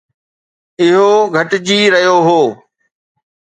اهو گهٽجي رهيو هو